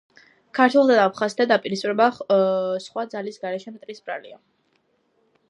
ქართველთა და აფხაზთა დაპირისპირება სხვა ძალის , გარეშე მტრის ბრალია